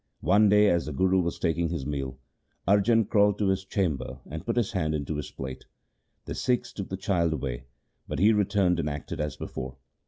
One day as the Guru was taking his meal, Arjan crawled to his chamber and put his hand into his plate. The Sikhs took the child away, but he returned and acted as before.